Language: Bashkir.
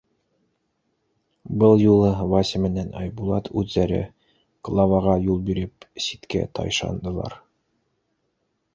Был юлы Вася менән Айбулат үҙҙәре, Клаваға юл биреп, ситкә тайшандылар.